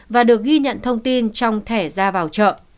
và được ghi nhận thông tin trong thẻ ra vào chợ